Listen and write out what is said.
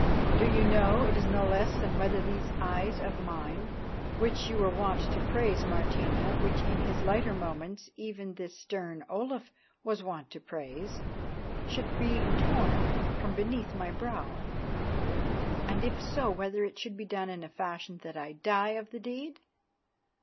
Do you know it is no less than whether these eyes of mine, which you were wont to praise, Martina, which in his lighter moments even this stern Olaf was wont to praise, should be torn from beneath my brow, and if so, whether it should be done in such a fashion that I die of the deed?